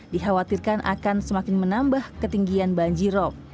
dikhawatirkan akan semakin menambah ketinggian banjir rop